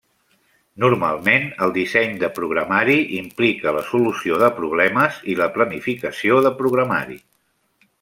Normalment el disseny de programari implica la solució de problemes i la planificació de programari.